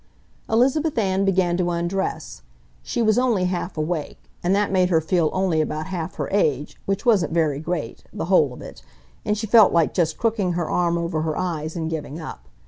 Elizabeth Ann began to undress. She was only half awake; and that made her feel only about half her age, which wasn't very great, the whole of it, and she felt like just crooking her arm over her eyes and giving up!